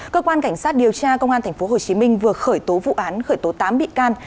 cơ quan cảnh sát điều tra công an tp hcm vừa khởi tố vụ án khởi tố tám bị can